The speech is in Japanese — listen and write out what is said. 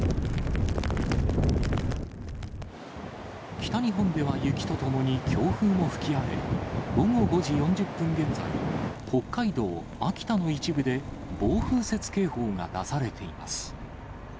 北日本では雪とともに強風も吹き荒れ、午後５時４０分現在、北海道、秋田の一部で、暴風雪警報が出されています。